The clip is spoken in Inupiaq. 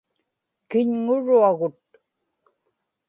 kiñŋuruagut